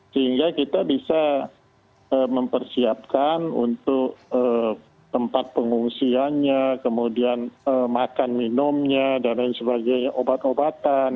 sehingga kita bisa mempersiapkan untuk tempat pengungsiannya kemudian makan minumnya dan lain sebagainya obat obatan